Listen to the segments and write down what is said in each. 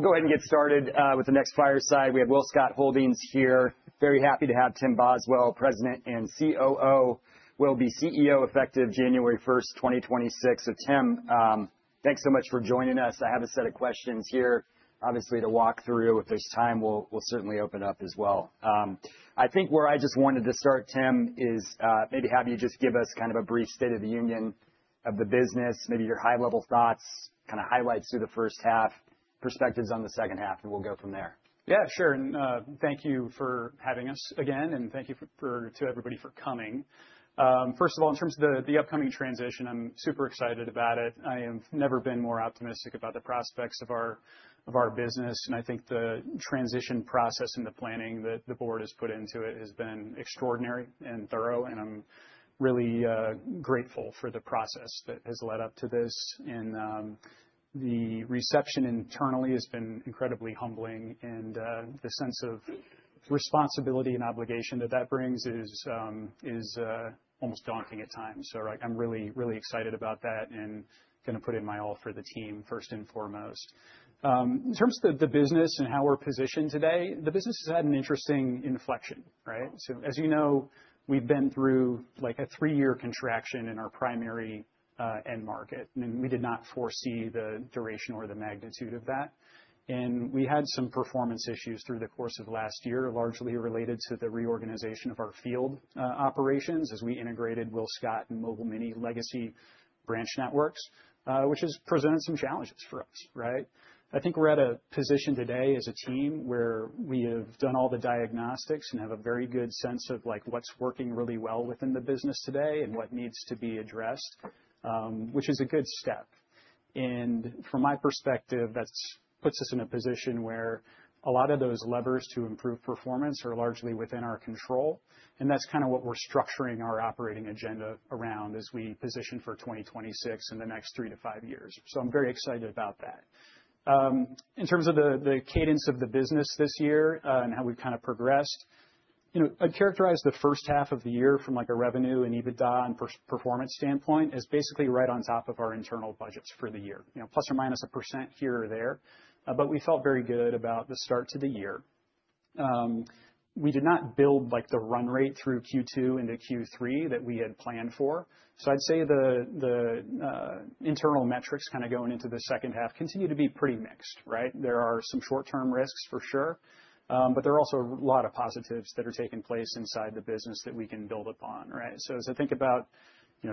Go ahead and get started with the next fireside. We have WillScot Holdings here. Very happy to have Tim Boswell, President and COO. Will be CEO effective January 1, 2026. So, Tim, thanks so much for joining us. I have a set of questions here, obviously, to walk through. If there's time, we'll certainly open up as well. I think where I just wanted to start, Tim, is maybe have you just give us kind of a brief state of the union of the business, maybe your high-level thoughts, kind of highlights through the first half, perspectives on the second half, and we'll go from there. Yeah, sure, and thank you for having us again, and thank you to everybody for coming. First of all, in terms of the upcoming transition, I'm super excited about it. I have never been more optimistic about the prospects of our business, and I think the transition process and the planning that the board has put into it has been extraordinary and thorough, and I'm really grateful for the process that has led up to this, and the reception internally has been incredibly humbling, and the sense of responsibility and obligation that that brings is almost daunting at times, so I'm really, really excited about that and going to put in my all for the team, first and foremost. In terms of the business and how we're positioned today, the business has had an interesting inflection, right? So as you know, we've been through like a three-year contraction in our primary end market. And we did not foresee the duration or the magnitude of that. And we had some performance issues through the course of last year, largely related to the reorganization of our field operations as we integrated WillScot and Mobile Mini legacy branch networks, which has presented some challenges for us, right? I think we're at a position today as a team where we have done all the diagnostics and have a very good sense of like what's working really well within the business today and what needs to be addressed, which is a good step. And from my perspective, that puts us in a position where a lot of those levers to improve performance are largely within our control. And that's kind of what we're structuring our operating agenda around as we position for 2026 and the next three to five years. So I'm very excited about that. In terms of the cadence of the business this year and how we've kind of progressed, I'd characterize the first half of the year from like a revenue and EBITDA and performance standpoint as basically right on top of our internal budgets for the year, ±1% here or there. But we felt very good about the start to the year. We did not build like the run rate through Q2 into Q3 that we had planned for. So I'd say the internal metrics kind of going into the second half continue to be pretty mixed, right? There are some short-term risks for sure, but there are also a lot of positives that are taking place inside the business that we can build upon, right? So as I think about,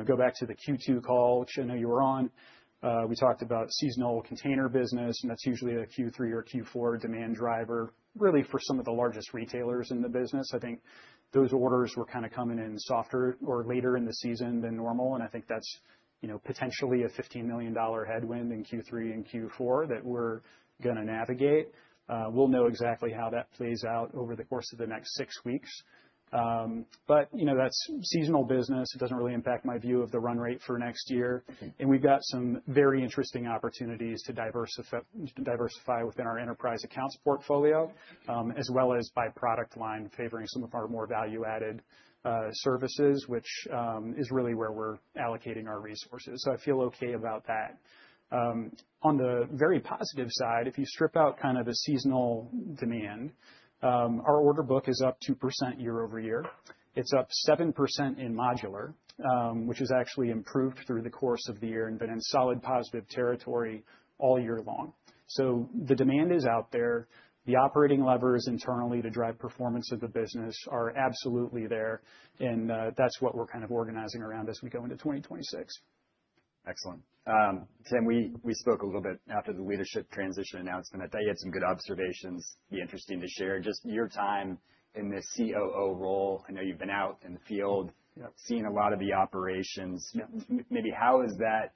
go back to the Q2 call, which I know you were on, we talked about seasonal container business, and that's usually a Q3 or Q4 demand driver, really for some of the largest retailers in the business. I think those orders were kind of coming in softer or later in the season than normal. And I think that's potentially a $15 million headwind in Q3 and Q4 that we're going to navigate. We'll know exactly how that plays out over the course of the next six weeks. But that's seasonal business. It doesn't really impact my view of the run rate for next year. We've got some very interesting opportunities to diversify within our enterprise accounts portfolio, as well as by product line, favoring some of our more value-added services, which is really where we're allocating our resources. I feel okay about that. On the very positive side, if you strip out kind of the seasonal demand, our order book is up 2% year-over-year. It's up 7% in modular, which has actually improved through the course of the year and been in solid positive territory all year long. The demand is out there. The operating levers internally to drive performance of the business are absolutely there. That's what we're kind of organizing around as we go into 2026. Excellent. Tim, we spoke a little bit after the leadership transition announcement that they had some good observations. It'd be interesting to share just your time in the COO role. I know you've been out in the field, seeing a lot of the operations. Maybe how has that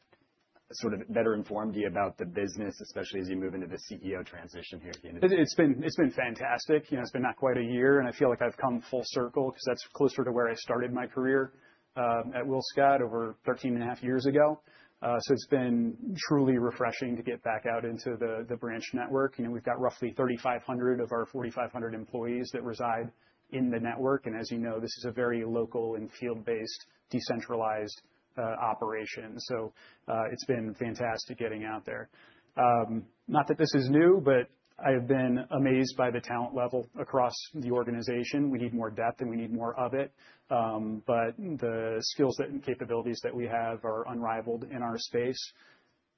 sort of better informed you about the business, especially as you move into the CEO transition here at the. It's been fantastic. It's been not quite a year, and I feel like I've come full circle because that's closer to where I started my career at WillScot over 13 and a half years ago, so it's been truly refreshing to get back out into the branch network. We've got roughly 3,500 of our 4,500 employees that reside in the network, and as you know, this is a very local and field-based decentralized operation, so it's been fantastic getting out there. Not that this is new, but I have been amazed by the talent level across the organization. We need more depth, and we need more of it, but the skills and capabilities that we have are unrivaled in our space.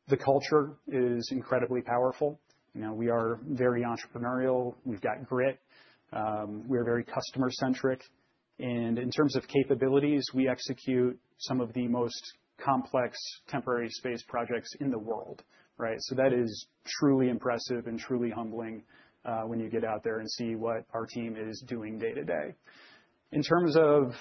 The culture is incredibly powerful. We are very entrepreneurial. We've got grit. We are very customer-centric. And in terms of capabilities, we execute some of the most complex temporary space projects in the world, right? So that is truly impressive and truly humbling when you get out there and see what our team is doing day to day. In terms of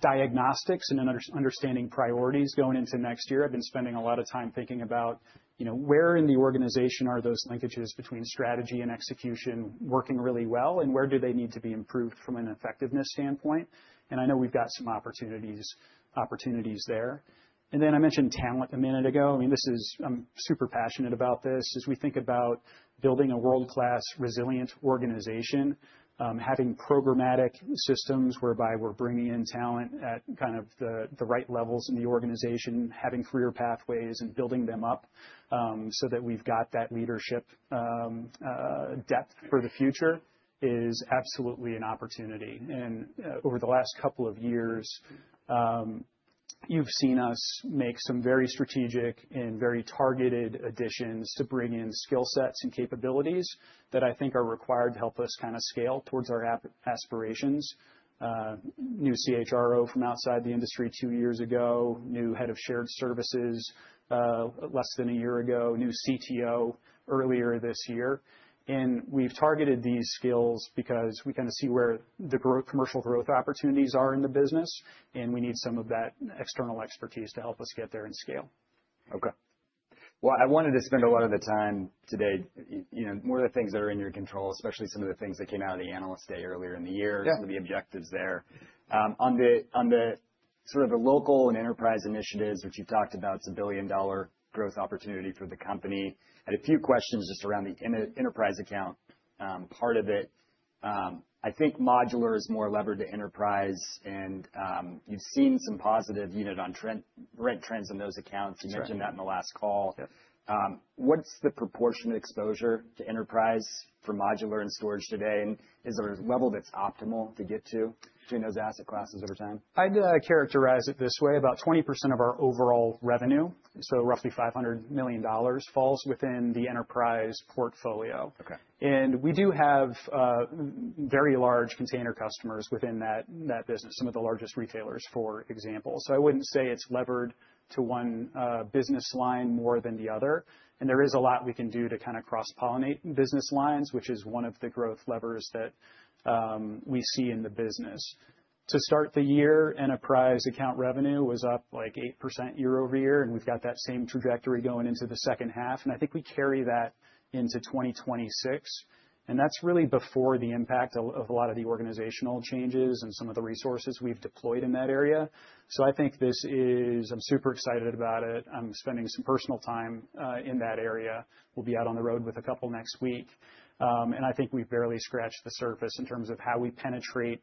diagnostics and understanding priorities going into next year, I've been spending a lot of time thinking about where in the organization are those linkages between strategy and execution working really well, and where do they need to be improved from an effectiveness standpoint. And I know we've got some opportunities there. And then I mentioned talent a minute ago. I mean, I'm super passionate about this. As we think about building a world-class resilient organization, having programmatic systems whereby we're bringing in talent at kind of the right levels in the organization, having career pathways and building them up so that we've got that leadership depth for the future is absolutely an opportunity. And over the last couple of years, you've seen us make some very strategic and very targeted additions to bring in skill sets and capabilities that I think are required to help us kind of scale towards our aspirations. New CHRO from outside the industry two years ago, new head of shared services less than a year ago, new CTO earlier this year. And we've targeted these skills because we kind of see where the commercial growth opportunities are in the business. And we need some of that external expertise to help us get there and scale. Okay. Well, I wanted to spend a lot of the time today, more of the things that are in your control, especially some of the things that came out of the analyst day earlier in the year, some of the objectives there. On sort of the local and enterprise initiatives, which you've talked about, it's a billion-dollar growth opportunity for the company. I had a few questions just around the enterprise account part of it. I think modular is more levered to enterprise. And you've seen some positive unit rent trends on those accounts. You mentioned that in the last call. What's the proportion of exposure to enterprise for modular and storage today? And is there a level that's optimal to get to between those asset classes over time? I'd characterize it this way. About 20% of our overall revenue, so roughly $500 million, falls within the enterprise portfolio, and we do have very large container customers within that business, some of the largest retailers, for example, so I wouldn't say it's levered to one business line more than the other. And there is a lot we can do to kind of cross-pollinate business lines, which is one of the growth levers that we see in the business. To start the year, enterprise account revenue was up like 8% year-over-year, and we've got that same trajectory going into the second half, and I think we carry that into 2026, and that's really before the impact of a lot of the organizational changes and some of the resources we've deployed in that area, so I think this is. I'm super excited about it. I'm spending some personal time in that area. We'll be out on the road with a couple next week, and I think we've barely scratched the surface in terms of how we penetrate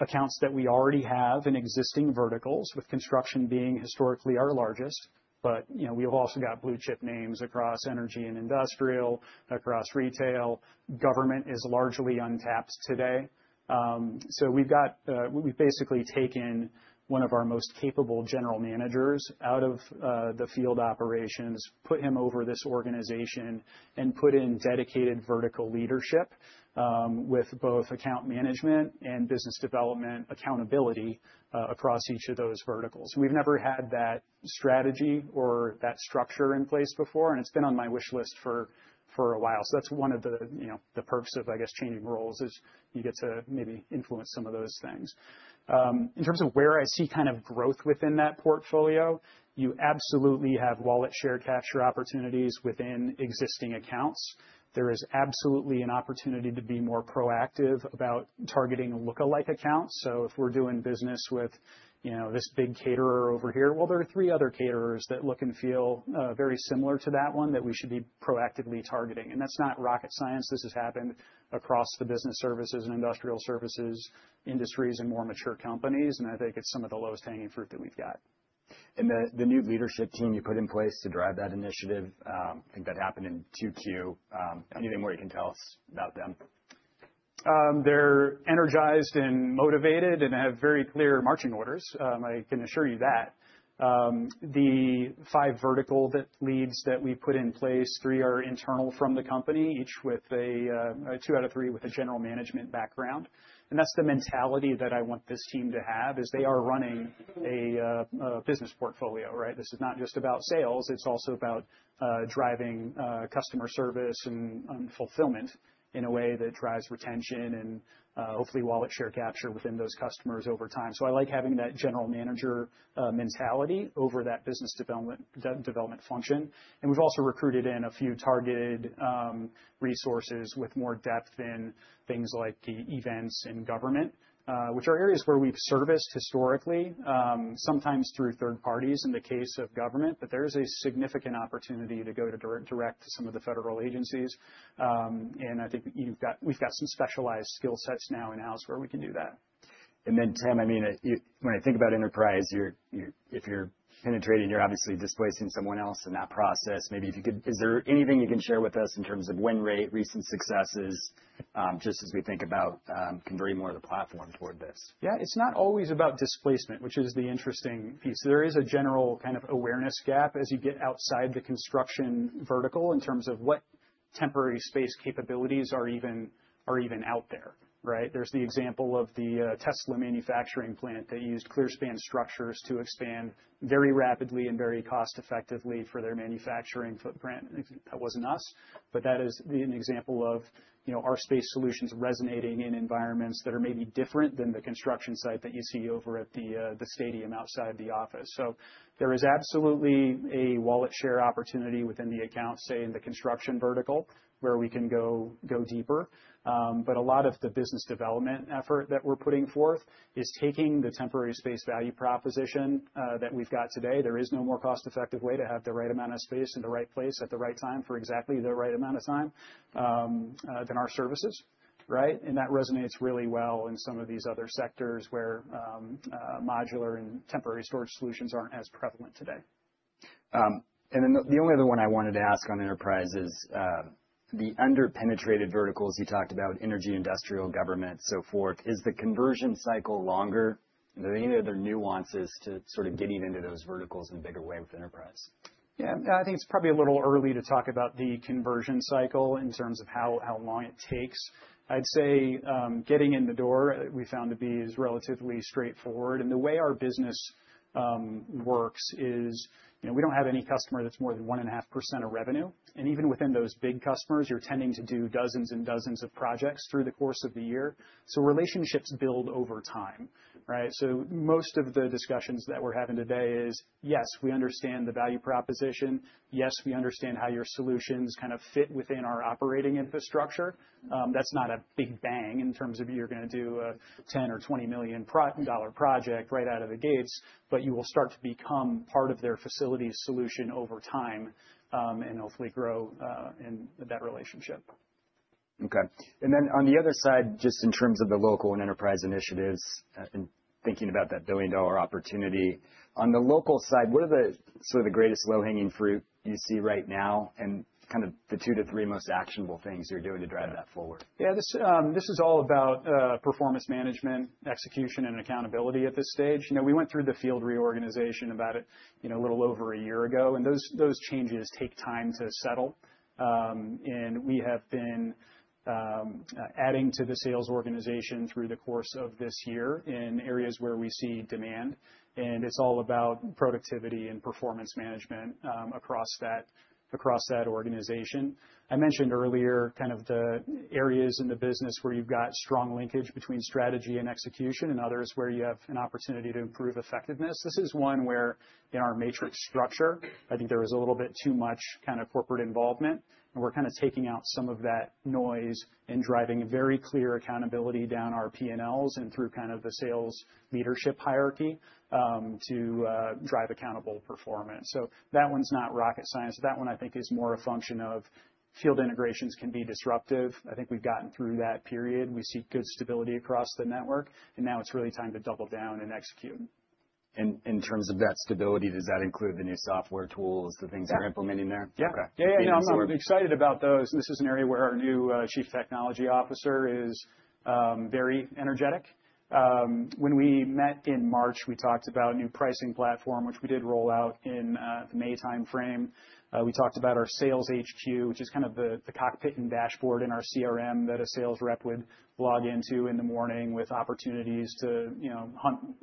accounts that we already have in existing verticals, with construction being historically our largest, but we've also got blue chip names across energy and industrial, across retail. Government is largely untapped today, so we've basically taken one of our most capable general managers out of the field operations, put him over this organization, and put in dedicated vertical leadership with both account management and business development accountability across each of those verticals. We've never had that strategy or that structure in place before, and it's been on my wish list for a while, so that's one of the perks of, I guess, changing roles is you get to maybe influence some of those things. In terms of where I see kind of growth within that portfolio, you absolutely have wallet share capture opportunities within existing accounts. There is absolutely an opportunity to be more proactive about targeting lookalike accounts. So if we're doing business with this big caterer over here, well, there are three other caterers that look and feel very similar to that one that we should be proactively targeting. And that's not rocket science. This has happened across the business services and industrial services industries and more mature companies. And I think it's some of the lowest hanging fruit that we've got. And the new leadership team you put in place to drive that initiative, I think that happened in Q2. Anything more you can tell us about them? They're energized and motivated and have very clear marching orders. I can assure you that. The five vertical leads that we put in place, three are internal from the company, each with a two out of three with a general management background. And that's the mentality that I want this team to have is they are running a business portfolio, right? This is not just about sales. It's also about driving customer service and fulfillment in a way that drives retention and hopefully wallet share capture within those customers over time. So I like having that general manager mentality over that business development function. And we've also recruited in a few targeted resources with more depth in things like the events and government, which are areas where we've serviced historically, sometimes through third parties in the case of government. But there is a significant opportunity to go direct to some of the federal agencies. And I think we've got some specialized skill sets now in-house where we can do that. And then, Tim, I mean, when I think about enterprise, if you're penetrating, you're obviously displacing someone else in that process. Maybe if you could, is there anything you can share with us in terms of win rate, recent successes, just as we think about converting more of the platform toward this? Yeah, it's not always about displacement, which is the interesting piece. There is a general kind of awareness gap as you get outside the construction vertical in terms of what temporary space capabilities are even out there, right? There's the example of the Tesla manufacturing plant that used clear span structures to expand very rapidly and very cost-effectively for their manufacturing footprint. That wasn't us. But that is an example of our space solutions resonating in environments that are maybe different than the construction site that you see over at the stadium outside the office. So there is absolutely a wallet share opportunity within the account, say, in the construction vertical, where we can go deeper. But a lot of the business development effort that we're putting forth is taking the temporary space value proposition that we've got today. There is no more cost-effective way to have the right amount of space in the right place at the right time for exactly the right amount of time than our services, right? And that resonates really well in some of these other sectors where modular and temporary storage solutions aren't as prevalent today. And then the only other one I wanted to ask on enterprise is the under-penetrated verticals you talked about, energy, industrial, government, so forth. Is the conversion cycle longer? Are there any other nuances to sort of getting into those verticals in a bigger way with enterprise? Yeah, I think it's probably a little early to talk about the conversion cycle in terms of how long it takes. I'd say getting in the door, we found to be is relatively straightforward. And the way our business works is we don't have any customer that's more than 1.5% of revenue. And even within those big customers, you're tending to do dozens and dozens of projects through the course of the year. So relationships build over time, right? So most of the discussions that we're having today is, yes, we understand the value proposition. Yes, we understand how your solutions kind of fit within our operating infrastructure. That's not a big bang in terms of you're going to do a $10 or $20 million project right out of the gates. But you will start to become part of their facility solution over time and hopefully grow in that relationship. Okay. And then on the other side, just in terms of the local and enterprise initiatives and thinking about that billion-dollar opportunity, on the local side, what are sort of the greatest low-hanging fruit you see right now and kind of the two to three most actionable things you're doing to drive that forward? Yeah, this is all about performance management, execution, and accountability at this stage. We went through the field reorganization about a little over a year ago. And those changes take time to settle. And we have been adding to the sales organization through the course of this year in areas where we see demand. And it's all about productivity and performance management across that organization. I mentioned earlier kind of the areas in the business where you've got strong linkage between strategy and execution and others where you have an opportunity to improve effectiveness. This is one where in our matrix structure, I think there was a little bit too much kind of corporate involvement. And we're kind of taking out some of that noise and driving very clear accountability down our P&Ls and through kind of the sales leadership hierarchy to drive accountable performance. So that one's not rocket science. That one, I think, is more a function of field integrations can be disruptive. I think we've gotten through that period. We see good stability across the network. And now it's really time to double down and execute. In terms of that stability, does that include the new software tools, the things you're implementing there? Yeah. Yeah, yeah, I'm excited about those. And this is an area where our new Chief Technology Officer is very energetic. When we met in March, we talked about a new pricing platform, which we did roll out in the May time frame. We talked about our Sales HQ, which is kind of the cockpit and dashboard in our CRM that a sales rep would log into in the morning with opportunities to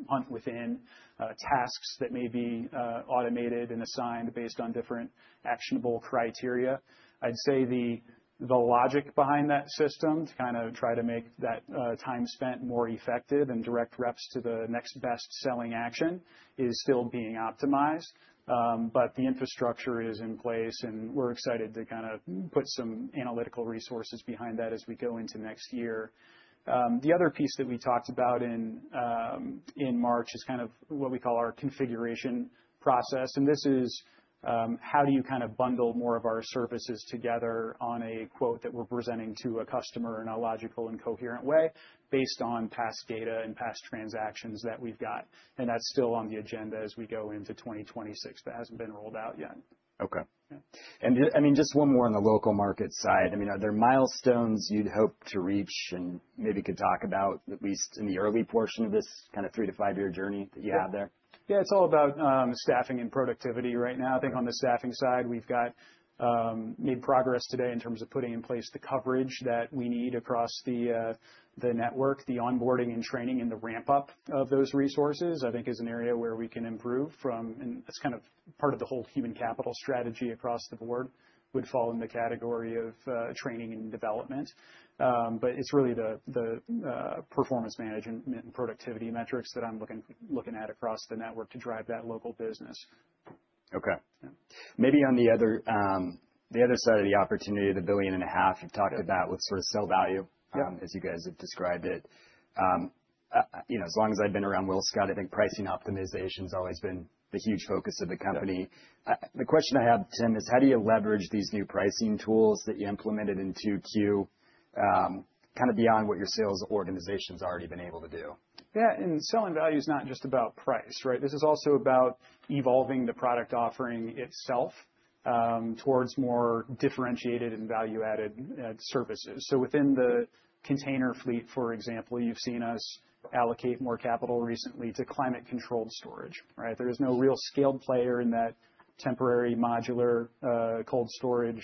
hunt within tasks that may be automated and assigned based on different actionable criteria. I'd say the logic behind that system to kind of try to make that time spent more effective and direct reps to the next best-selling action is still being optimized. But the infrastructure is in place. And we're excited to kind of put some analytical resources behind that as we go into next year. The other piece that we talked about in March is kind of what we call our configuration process. And this is how do you kind of bundle more of our services together on a quote that we're presenting to a customer in a logical and coherent way based on past data and past transactions that we've got. And that's still on the agenda as we go into 2026, but hasn't been rolled out yet. Okay. And I mean, just one more on the local market side. I mean, are there milestones you'd hope to reach and maybe could talk about, at least in the early portion of this kind of three- to five-year journey that you have there? Yeah, it's all about staffing and productivity right now. I think on the staffing side, we've made progress today in terms of putting in place the coverage that we need across the network, the onboarding and training and the ramp-up of those resources, I think, is an area where we can improve from. And it's kind of part of the whole human capital strategy across the board would fall in the category of training and development. But it's really the performance management and productivity metrics that I'm looking at across the network to drive that local business. Okay. Maybe on the other side of the opportunity, the $1.5 billion you've talked about with sort of sell value, as you guys have described it. As long as I've been around WillScot, I think pricing optimization has always been the huge focus of the company. The question I have, Tim, is how do you leverage these new pricing tools that you implemented in Q2 kind of beyond what your sales organization's already been able to do? Yeah, and selling value is not just about price, right? This is also about evolving the product offering itself towards more differentiated and value-added services. So within the container fleet, for example, you've seen us allocate more capital recently to climate-controlled storage, right? There is no real scaled player in that temporary modular cold storage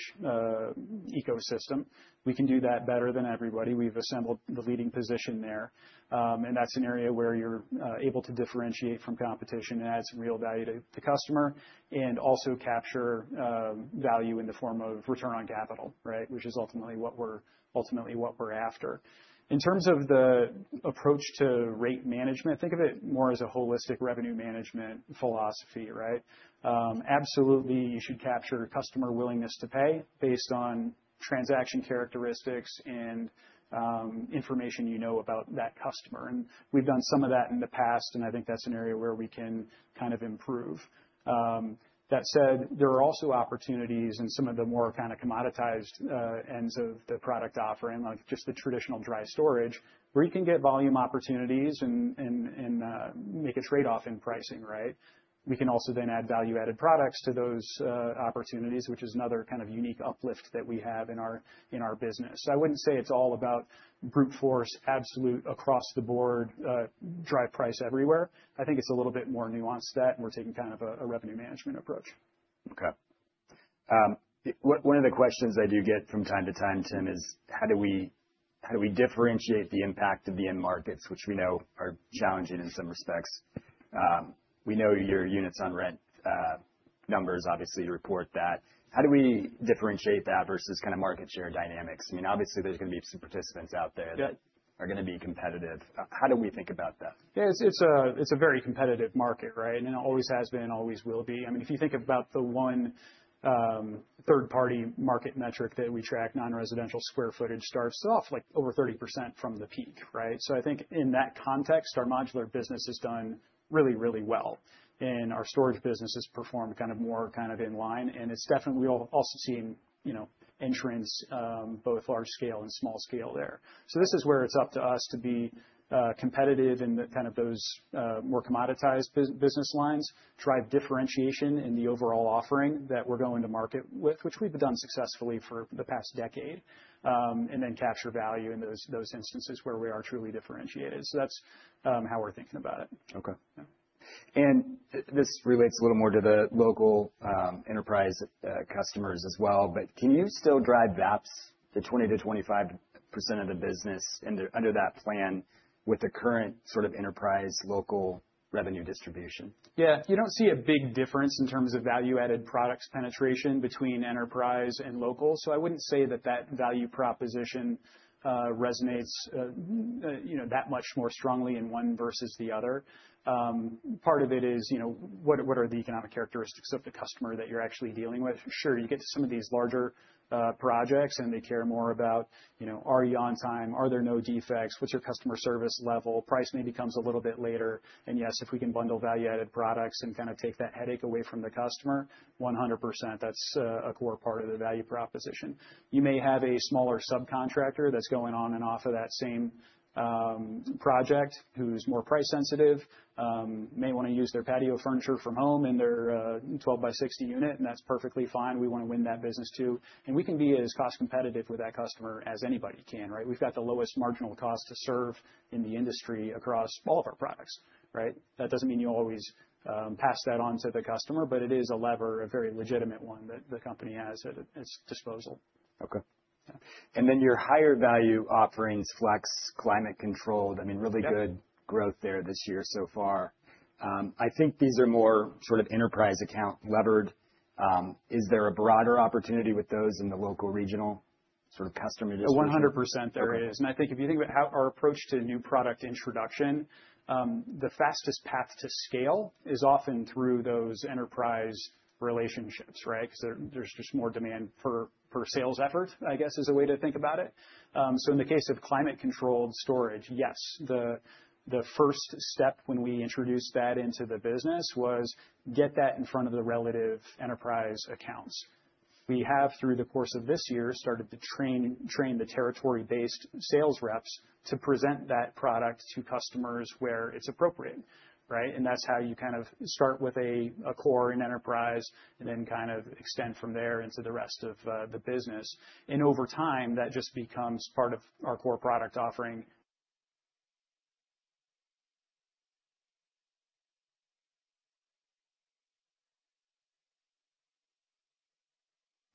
ecosystem. We can do that better than everybody. We've assembled the leading position there. And that's an area where you're able to differentiate from competition and add some real value to the customer and also capture value in the form of return on capital, right, which is ultimately what we're after. In terms of the approach to rate management, think of it more as a holistic revenue management philosophy, right? Absolutely, you should capture customer willingness to pay based on transaction characteristics and information you know about that customer. We've done some of that in the past. I think that's an area where we can kind of improve. That said, there are also opportunities in some of the more kind of commoditized ends of the product offering, like just the traditional dry storage, where you can get volume opportunities and make a trade-off in pricing, right? We can also then add value-added products to those opportunities, which is another kind of unique uplift that we have in our business. I wouldn't say it's all about brute force, absolute across the board, drive price everywhere. I think it's a little bit more nuanced than that. We're taking kind of a revenue management approach. Okay. One of the questions I do get from time to time, Tim, is how do we differentiate the impact of the end markets, which we know are challenging in some respects? We know your units on rent numbers, obviously, report that. How do we differentiate that versus kind of market share dynamics? I mean, obviously, there's going to be some participants out there that are going to be competitive. How do we think about that? Yeah, it's a very competitive market, right? And it always has been and always will be. I mean, if you think about the one third-party market metric that we track, non-residential square footage starts off like over 30% from the peak, right? So I think in that context, our modular business has done really, really well. And our storage business has performed kind of more kind of in line. And we've also seen entrants, both large scale and small scale there. So this is where it's up to us to be competitive in kind of those more commoditized business lines, drive differentiation in the overall offering that we're going to market with, which we've done successfully for the past decade, and then capture value in those instances where we are truly differentiated. So that's how we're thinking about it. Okay. And this relates a little more to the local enterprise customers as well. But can you still drive VAPS, the 20%-25% of the business under that plan with the current sort of enterprise local revenue distribution? Yeah, you don't see a big difference in terms of value-added products penetration between enterprise and local. So I wouldn't say that that value proposition resonates that much more strongly in one versus the other. Part of it is what are the economic characteristics of the customer that you're actually dealing with? Sure, you get to some of these larger projects, and they care more about, are you on time? Are there no defects? What's your customer service level? Price maybe comes a little bit later. And yes, if we can bundle value-added products and kind of take that headache away from the customer, 100%, that's a core part of the value proposition. You may have a smaller subcontractor that's going on and off of that same project who's more price sensitive, may want to use their patio furniture from home in their 12 by 60 unit. That's perfectly fine. We want to win that business too. We can be as cost competitive with that customer as anybody can, right? We've got the lowest marginal cost to serve in the industry across all of our products, right? That doesn't mean you always pass that on to the customer. But it is a lever, a very legitimate one that the company has at its disposal. Okay. And then your higher value offerings, Flex, climate controlled, I mean, really good growth there this year so far. I think these are more sort of enterprise account levered. Is there a broader opportunity with those in the local regional sort of customer distribution? Oh, 100%, there is. And I think if you think about how our approach to new product introduction, the fastest path to scale is often through those enterprise relationships, right? Because there's just more demand for sales effort, I guess, is a way to think about it. So in the case of climate-controlled storage, yes, the first step when we introduced that into the business was get that in front of the relevant enterprise accounts. We have, through the course of this year, started to train the territory-based sales reps to present that product to customers where it's appropriate, right? And that's how you kind of start with a core in enterprise and then kind of extend from there into the rest of the business. And over time, that just becomes part of our core product offering.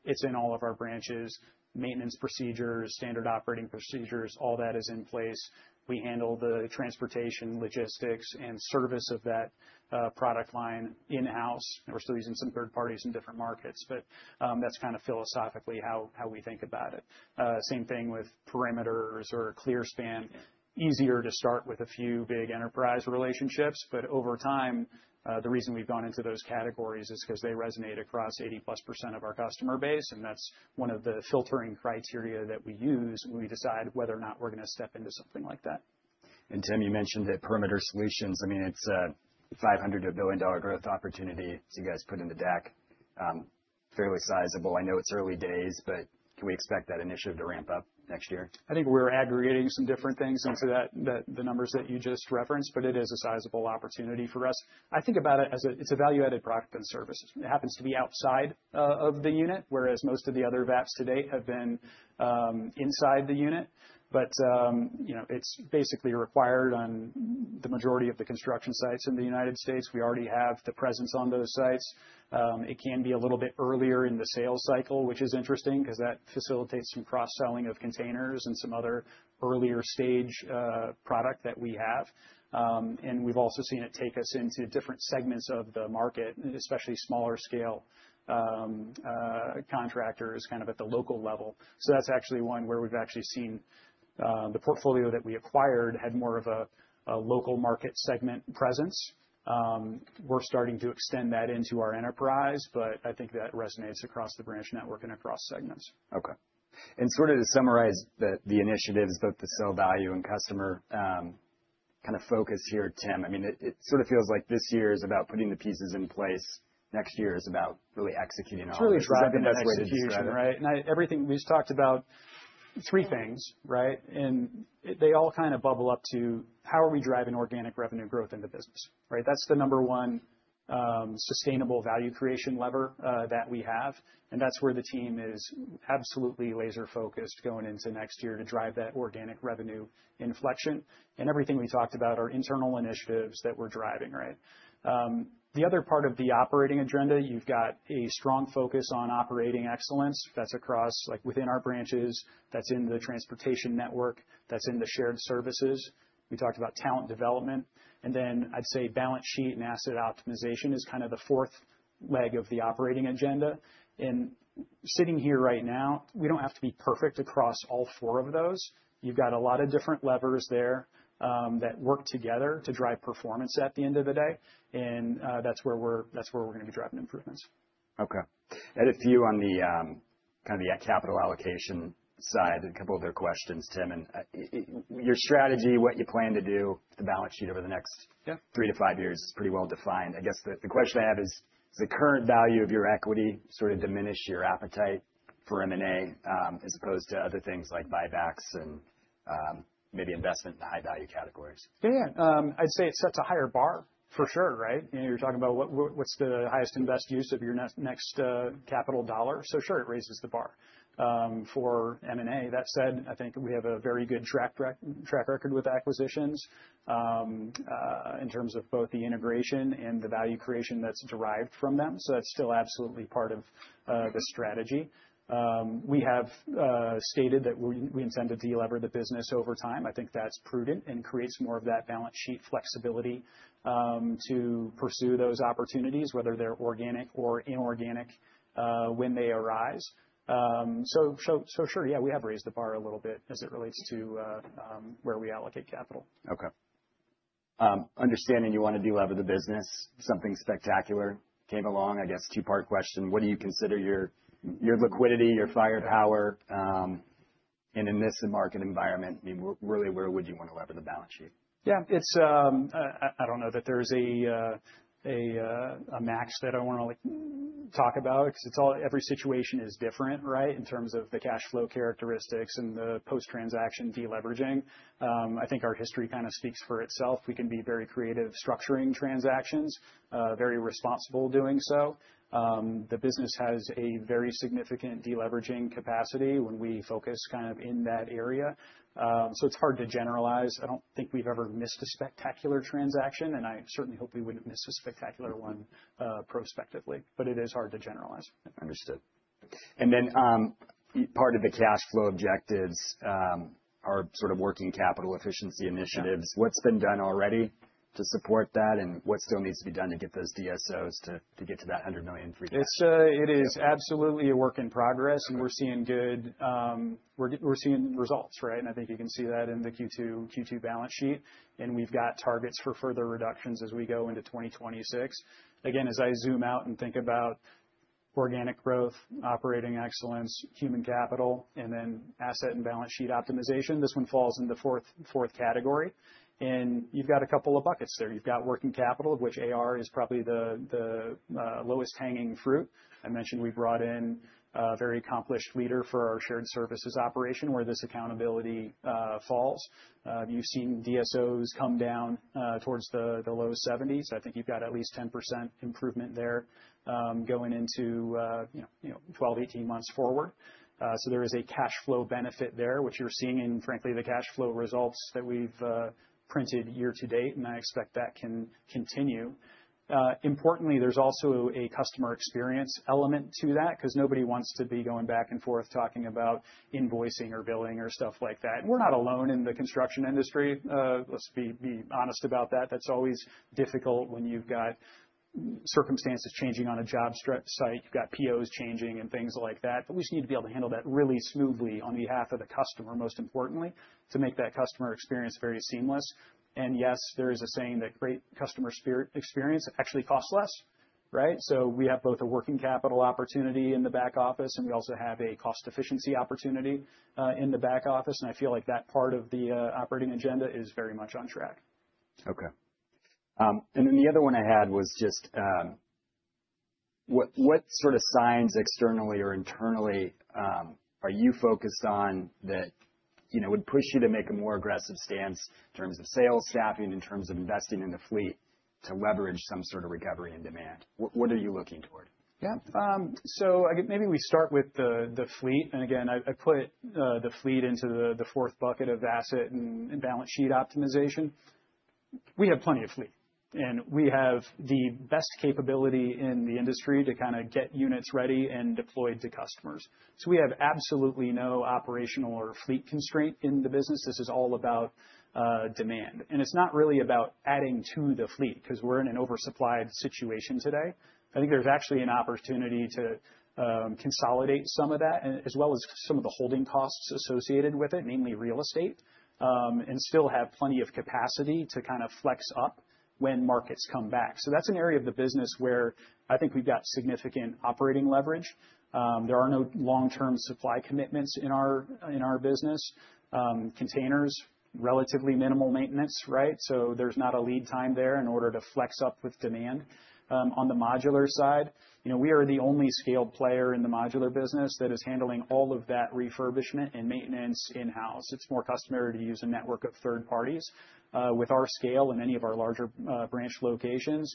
It's in all of our branches, maintenance procedures, standard operating procedures, all that is in place. We handle the transportation, logistics, and service of that product line in-house, and we're still using some third parties in different markets, but that's kind of philosophically how we think about it. Same thing with perimeter solutions or clear span, easier to start with a few big enterprise relationships, but over time, the reason we've gone into those categories is because they resonate across 80%+ of our customer base, and that's one of the filtering criteria that we use when we decide whether or not we're going to step into something like that. And Tim, you mentioned that perimeter solutions. I mean, it's a $500 billion growth opportunity that you guys put in the deck, fairly sizable. I know it's early days. But can we expect that initiative to ramp up next year? I think we're aggregating some different things into the numbers that you just referenced. But it is a sizable opportunity for us. I think about it as it's a value-added product and service. It happens to be outside of the unit, whereas most of the other VAPS to date have been inside the unit. But it's basically required on the majority of the construction sites in the United States. We already have the presence on those sites. It can be a little bit earlier in the sales cycle, which is interesting because that facilitates some cross-selling of containers and some other earlier stage product that we have. And we've also seen it take us into different segments of the market, especially smaller scale contractors kind of at the local level. So that's actually one where we've actually seen the portfolio that we acquired had more of a local market segment presence. We're starting to extend that into our enterprise. But I think that resonates across the branch network and across segments. Okay, and sort of to summarize the initiatives, both the sell value and customer kind of focus here, Tim, I mean, it sort of feels like this year is about putting the pieces in place. Next year is about really executing all of those strategies. It's really trying to be the best way to describe it, right? And we've talked about three things, right? And they all kind of bubble up to how are we driving organic revenue growth in the business, right? That's the number one sustainable value creation lever that we have. And that's where the team is absolutely laser-focused going into next year to drive that organic revenue inflection and everything we talked about, our internal initiatives that we're driving, right? The other part of the operating agenda, you've got a strong focus on operating excellence. That's across within our branches. That's in the transportation network. That's in the shared services. We talked about talent development. And then I'd say balance sheet and asset optimization is kind of the fourth leg of the operating agenda. And sitting here right now, we don't have to be perfect across all four of those. You've got a lot of different levers there that work together to drive performance at the end of the day. And that's where we're going to be driving improvements. Okay. I had a few on kind of the capital allocation side, a couple of other questions, Tim, and your strategy, what you plan to do, the balance sheet over the next three to five years is pretty well defined. I guess the question I have is, does the current value of your equity sort of diminish your appetite for M&A as opposed to other things like buybacks and maybe investment in high-value categories? Yeah, yeah. I'd say it sets a higher bar for sure, right? You're talking about what's the highest and best use of your next capital dollar. So sure, it raises the bar for M&A. That said, I think we have a very good track record with acquisitions in terms of both the integration and the value creation that's derived from them. So that's still absolutely part of the strategy. We have stated that we intended to lever the business over time. I think that's prudent and creates more of that balance sheet flexibility to pursue those opportunities, whether they're organic or inorganic when they arise. So sure, yeah, we have raised the bar a little bit as it relates to where we allocate capital. Okay. Understanding you want to do leverage the business, something spectacular came along, I guess. Two-part question. What do you consider your liquidity, your firepower? And in this market environment, I mean, really, where would you want to leverage the balance sheet? Yeah, I don't know that there's a max that I want to talk about because every situation is different, right, in terms of the cash flow characteristics and the post-transaction deleveraging. I think our history kind of speaks for itself. We can be very creative structuring transactions, very responsible doing so. The business has a very significant deleveraging capacity when we focus kind of in that area. So it's hard to generalize. I don't think we've ever missed a spectacular transaction. And I certainly hope we wouldn't have missed a spectacular one prospectively. But it is hard to generalize. Understood. And then part of the cash flow objectives are sort of working capital efficiency initiatives. What's been done already to support that? And what still needs to be done to get those DSOs to get to that $100 million? It is absolutely a work in progress. And we're seeing good results, right? And I think you can see that in the Q2 balance sheet. And we've got targets for further reductions as we go into 2026. Again, as I zoom out and think about organic growth, operating excellence, human capital, and then asset and balance sheet optimization, this one falls in the fourth category. And you've got a couple of buckets there. You've got working capital, of which AR is probably the lowest hanging fruit. I mentioned we brought in a very accomplished leader for our shared services operation where this accountability falls. You've seen DSOs come down towards the low 70s. I think you've got at least 10% improvement there going into 12-18 months forward. There is a cash flow benefit there, which you're seeing in, frankly, the cash flow results that we've printed year to date. I expect that can continue. Importantly, there's also a customer experience element to that because nobody wants to be going back and forth talking about invoicing or billing or stuff like that. We're not alone in the construction industry. Let's be honest about that. That's always difficult when you've got circumstances changing on a job site, you've got POs changing, and things like that. But we just need to be able to handle that really smoothly on behalf of the customer, most importantly, to make that customer experience very seamless. Yes, there is a saying that great customer experience actually costs less, right? So we have both a working capital opportunity in the back office, and we also have a cost efficiency opportunity in the back office. And I feel like that part of the operating agenda is very much on track. Okay. And then the other one I had was just what sort of signs externally or internally are you focused on that would push you to make a more aggressive stance in terms of sales staffing, in terms of investing in the fleet to leverage some sort of recovery in demand? What are you looking toward? Yeah. So maybe we start with the fleet. And again, I put the fleet into the fourth bucket of asset and balance sheet optimization. We have plenty of fleet. And we have the best capability in the industry to kind of get units ready and deployed to customers. So we have absolutely no operational or fleet constraint in the business. This is all about demand. And it's not really about adding to the fleet because we're in an oversupplied situation today. I think there's actually an opportunity to consolidate some of that, as well as some of the holding costs associated with it, namely real estate, and still have plenty of capacity to kind of flex up when markets come back. So that's an area of the business where I think we've got significant operating leverage. There are no long-term supply commitments in our business. Containers, relatively minimal maintenance, right? There's not a lead time there in order to flex up with demand. On the modular side, we are the only scaled player in the modular business that is handling all of that refurbishment and maintenance in-house. It's more customary to use a network of third parties. With our scale and any of our larger branch locations,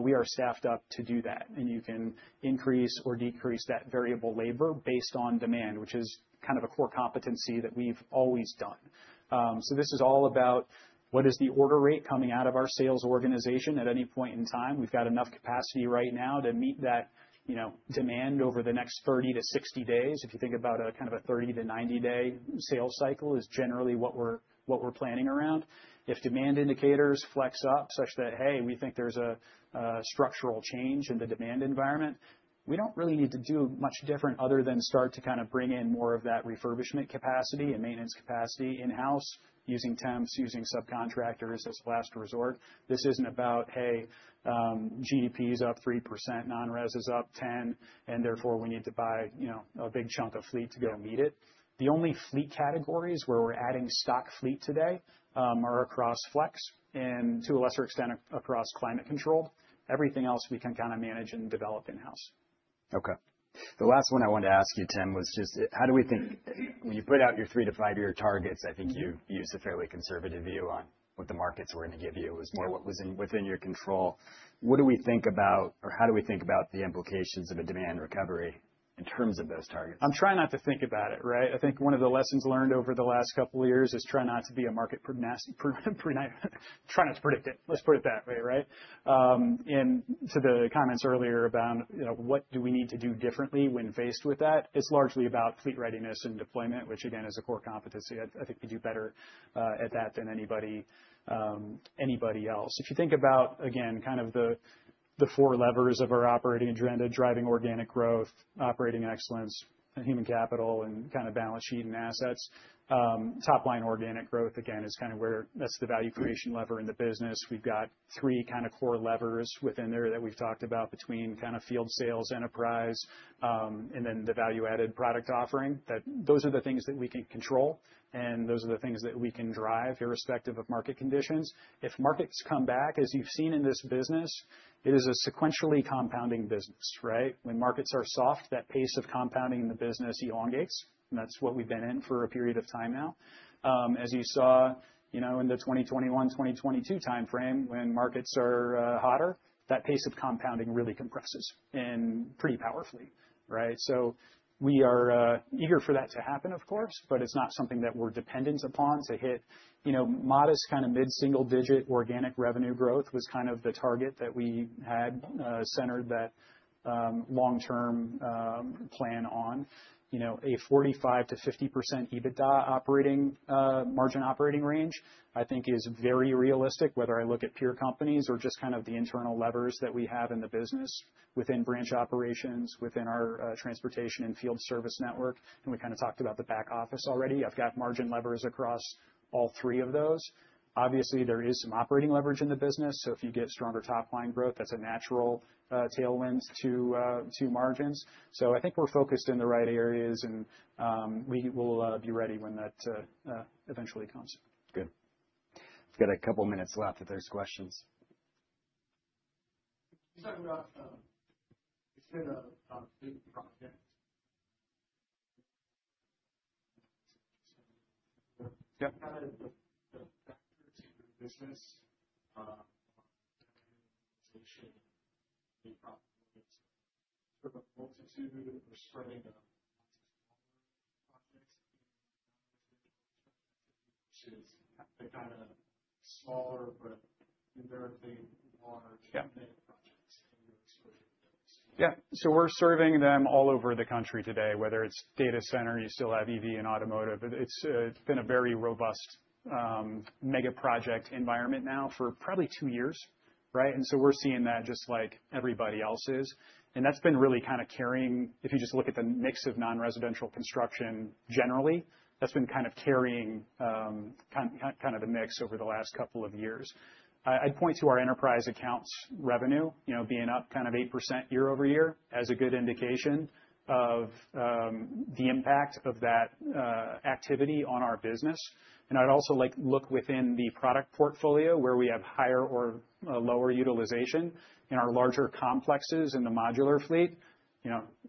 we are staffed up to do that. And you can increase or decrease that variable labor based on demand, which is kind of a core competency that we've always done. So this is all about what is the order rate coming out of our sales organization at any point in time. We've got enough capacity right now to meet that demand over the next 30 to 60 days. If you think about kind of a 30 to 90-day sales cycle is generally what we're planning around. If demand indicators flex up such that, hey, we think there's a structural change in the demand environment, we don't really need to do much different other than start to kind of bring in more of that refurbishment capacity and maintenance capacity in-house using temps, using subcontractors as a last resort. This isn't about, hey, GDP is up 3%, non-res is up 10%, and therefore we need to buy a big chunk of fleet to go meet it. The only fleet categories where we're adding stock fleet today are across Flex and to a lesser extent across climate controlled. Everything else we can kind of manage and develop in-house. Okay. The last one I wanted to ask you, Tim, was just how do we think when you put out your three to five-year targets, I think you used a fairly conservative view on what the markets were going to give you. It was more what was within your control. What do we think about or how do we think about the implications of a demand recovery in terms of those targets? I'm trying not to think about it, right? I think one of the lessons learned over the last couple of years is try not to be a market prescient. Try not to predict it. Let's put it that way, right? And to the comments earlier about what do we need to do differently when faced with that, it's largely about fleet readiness and deployment, which again is a core competency. I think we do better at that than anybody else. If you think about, again, kind of the four levers of our operating agenda: driving organic growth, operating excellence, human capital, and kind of balance sheet and assets. Top-line organic growth, again, is kind of where that's the value creation lever in the business. We've got three kind of core levers within there that we've talked about between kind of field sales, enterprise, and then the value-added product offering. Those are the things that we can control, and those are the things that we can drive irrespective of market conditions. If markets come back, as you've seen in this business, it is a sequentially compounding business, right? When markets are soft, that pace of compounding in the business elongates, and that's what we've been in for a period of time now. As you saw in the 2021, 2022 time frame, when markets are hotter, that pace of compounding really compresses and pretty powerfully, right, so we are eager for that to happen, of course, but it's not something that we're dependent upon. To hit modest kind of mid-single-digit organic revenue growth was kind of the target that we had centered that long-term plan on. A 45%-50% EBITDA operating margin operating range, I think, is very realistic, whether I look at peer companies or just kind of the internal levers that we have in the business within branch operations, within our transportation and field service network. And we kind of talked about the back office already. I've got margin levers across all three of those. Obviously, there is some operating leverage in the business. So if you get stronger top-line growth, that's a natural tailwind to margins. So I think we're focused in the right areas. And we will be ready when that eventually comes. Good. We've got a couple of minutes left if there's questions. Can you talk about it's been a complete project, kind of the factor to your business, the value creation, the profitability, sort of multitude or spreading of smaller projects in non-residential construction activity versus the kind of smaller but inherently large mega projects that you're serving in those? Yeah. So we're serving them all over the country today, whether it's data center, you still have EV and automotive. It's been a very robust mega project environment now for probably two years, right? And so we're seeing that just like everybody else is. And that's been really kind of carrying if you just look at the mix of non-residential construction generally, that's been kind of carrying kind of the mix over the last couple of years. I'd point to our enterprise accounts revenue being up kind of 8% year-over-year as a good indication of the impact of that activity on our business. And I'd also look within the product portfolio where we have higher or lower utilization in our larger complexes in the modular fleet.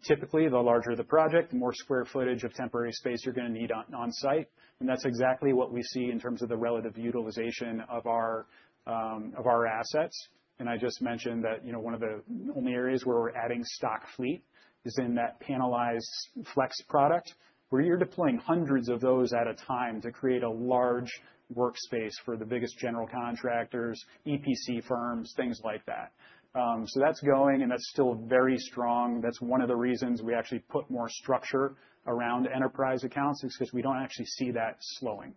Typically, the larger the project, the more square footage of temporary space you're going to need on site. And that's exactly what we see in terms of the relative utilization of our assets. And I just mentioned that one of the only areas where we're adding stock fleet is in that panelized Flex product where you're deploying hundreds of those at a time to create a large workspace for the biggest general contractors, EPC firms, things like that. So that's going. And that's still very strong. That's one of the reasons we actually put more structure around enterprise accounts is because we don't actually see that slowing.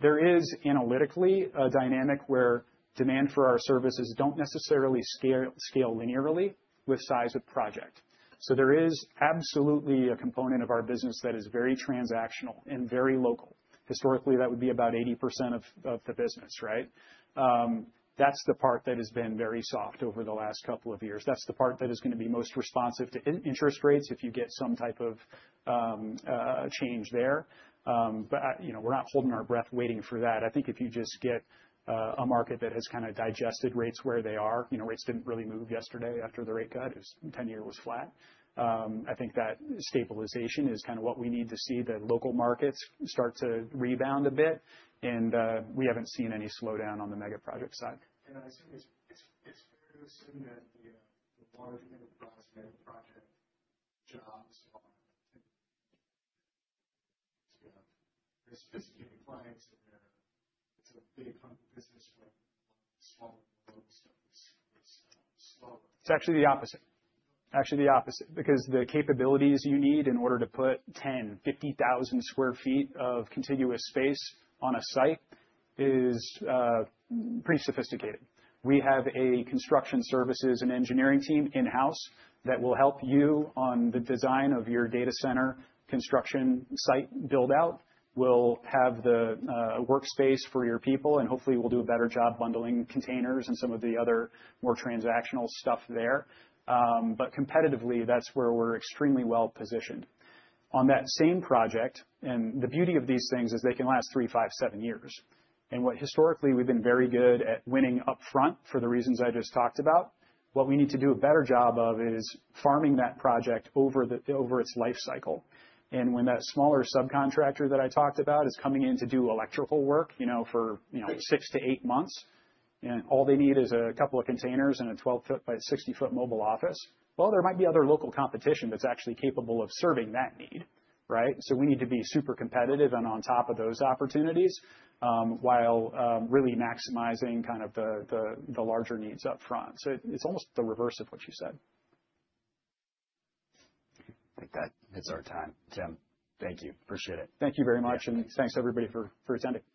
There is analytically a dynamic where demand for our services don't necessarily scale linearly with size of project. So there is absolutely a component of our business that is very transactional and very local. Historically, that would be about 80% of the business, right? That's the part that has been very soft over the last couple of years. That's the part that is going to be most responsive to interest rates if you get some type of change there. But we're not holding our breath waiting for that. I think if you just get a market that has kind of digested rates where they are, rates didn't really move yesterday after the rate cut. The 10-year was flat. I think that stabilization is kind of what we need to see the local markets start to rebound a bit, and we haven't seen any slowdown on the mega project side. I assume it's fair to assume that the large enterprise mega project jobs are sophisticated clients and they're, it's a big chunk business where a lot of the smaller and the local stuff is slower. It's actually the opposite. Actually the opposite. Because the capabilities you need in order to put 10, 50,000 sq ft of contiguous space on a site is pretty sophisticated. We have a construction services and engineering team in-house that will help you on the design of your data center construction site build-out. We'll have the workspace for your people. And hopefully, we'll do a better job bundling containers and some of the other more transactional stuff there. But competitively, that's where we're extremely well positioned. On that same project, and the beauty of these things is they can last three, five, seven years. And what historically we've been very good at winning upfront for the reasons I just talked about, what we need to do a better job of is farming that project over its lifecycle. And when that smaller subcontractor that I talked about is coming in to do electrical work for six to eight months and all they need is a couple of containers and a 12-foot by 60-foot mobile office, well, there might be other local competition that's actually capable of serving that need, right? So we need to be super competitive and on top of those opportunities while really maximizing kind of the larger needs upfront. So it's almost the reverse of what you said. I think that hits our time, Tim. Thank you. Appreciate it. Thank you very much, and thanks, everybody, for attending.